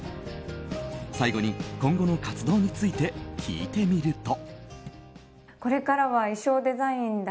最後に、今後の活動について聞いてみると。